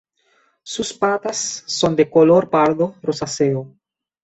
Sus patas son de color pardo rosáceo.